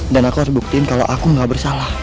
dan aku harus buktiin kalau aku gak bersalah